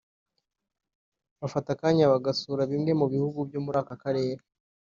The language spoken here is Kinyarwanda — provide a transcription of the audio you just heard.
bafata akanya bagasura bimwe mu bihugu byo muri aka karere